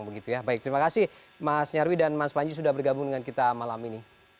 baik terima kasih mas nyarwi dan mas panji sudah bergabung dengan kita malam ini